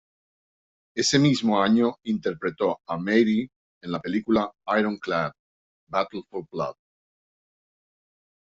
Ese mismo año interpretó a Mary en la película "Ironclad: Battle for Blood".